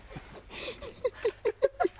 ハハハハ！